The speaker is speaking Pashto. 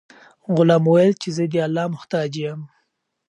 غلام وویل چې زه د الله محتاج یم.